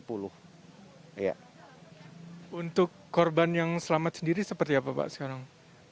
untuk korban yang selamat sendiri seperti apa pak sekarang